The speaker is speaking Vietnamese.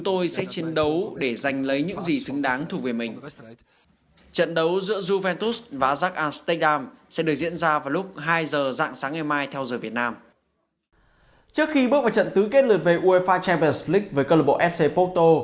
trước khi bước vào trận tứ kết lượt về uefa champions league với club fc porto